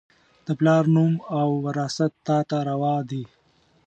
د پلار نوم او، وراث تا ته روا دي